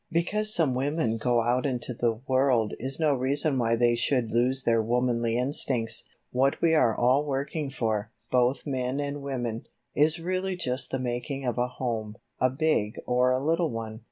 Because some women go out into the world is no reason why they should lose their womanly instincts. What we are all working for, both men and women, is really just the making of a home, a big or a little one.